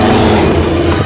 inilah yang akan aku lakukan